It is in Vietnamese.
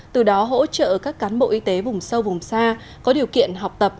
từ đó hỗ trợ các cán bộ y tế vùng sâu vùng xa có điều kiện học tập